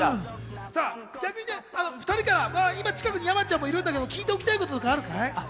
逆に２人から今、近くに山ちゃんもいるんだけど、聞いておきたい